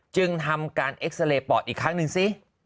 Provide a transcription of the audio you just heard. จึงทำการเอ็กซาเรย์ปอดอีกครั้งหนึ่งซิ